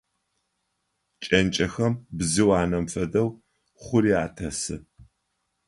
Кӏэнкӏэхэм, бзыу анэм фэдэу, хъури атесы.